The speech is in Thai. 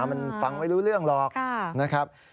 มันฟังไม่รู้เรื่องหรอกนะครับ